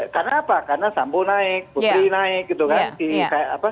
karena apa karena sambu naik putri naik gitu kan